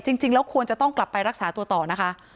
จริงแล้วควรจะต้องกลับไปรักษาตัวต่อนะคะ